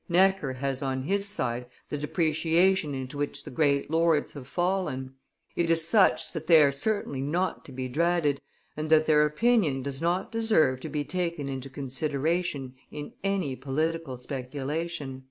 ... Necker has on his side the depreciation into which the great lords have fallen; it is such that they are certainly not to be dreaded, and that their opinion does not deserve to be taken into consideration in any political speculation."